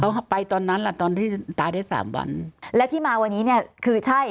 เขาไปตอนนั้นล่ะตอนที่ตายได้สามวันและที่มาวันนี้เนี่ยคือใช่